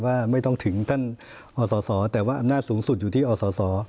ว่าไม่ต้องถึงท่านอศแต่ว่าอำนาจสูงสุดอยู่ที่อศ